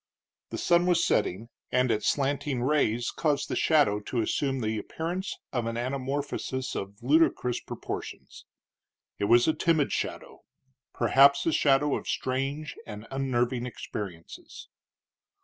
The sun was setting, and its slanting rays caused the shadow to assume the appearance of an anamorphosis of ludicrous proportions. It was a timid shadow perhaps a shadow of strange and unnerving experiences.